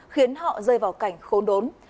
khiến họ rơi vào cảnh khốn đốn